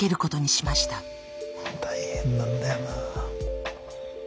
大変なんだよな。